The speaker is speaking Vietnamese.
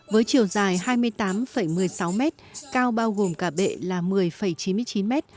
với chiều dài hai mươi tám một mươi sáu m cao bao gồm cả bệ là một mươi chín m